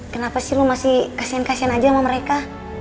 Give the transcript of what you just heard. kenapa sih lu masih kasihan kasihan aja sama mereka